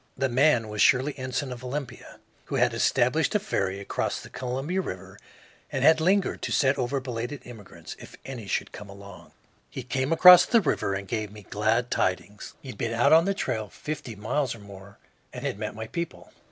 The man was Shirley Ensign, of Olympia, who had established a ferry across the Columbia River and had lingered to set over belated immigrants, if any should come along. He came across the river and gave me glad tidings. He had been out on the trail fifty miles or more and had met my people.